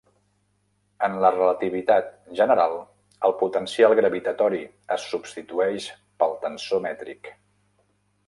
En la relativitat general, el potencial gravitatori es substitueix pel tensor mètric.